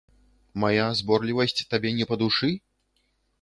Мая зборлівасць табе не па душы?